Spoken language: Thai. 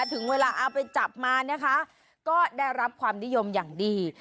ถึงเวลาเอาไปจับมานะคะก็ได้รับความนิยมอย่างดี